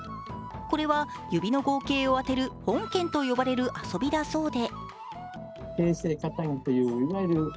これは指の合計を当てる本拳と呼ばれる遊びだそうで。